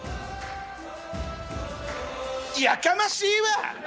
やかましいわ！